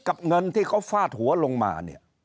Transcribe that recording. กับเงินที่เขาฟาดหัวลงมา